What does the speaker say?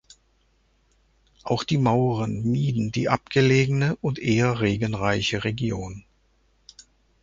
Auch die Mauren mieden die abgelegene und eher regenreiche Region.